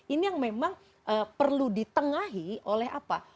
ini yang memang perlu ditengahi oleh apa